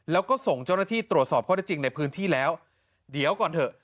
แล้วก็ส่งเจ้าหน้าที่ตรวจสอบข้อได้จริงในพื้นที่แล้วเดี๋ยวก่อนเถอะ